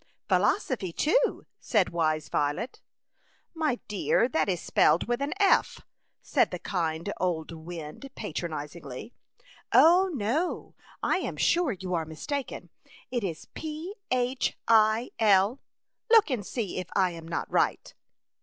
" Philosophy, too,'' said wise Violet. " My dear, that is spelled with an ' f,' " said the kind old wind patronizingly. " O, no ! I am sure you are mis taken. It is * p h i 1 '; look and see if I am not right."